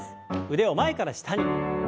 腕を前から下に。